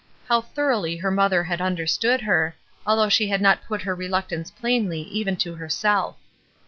How thoroughly her mother had understood her, although she had not put her reluctance plainly even to herself.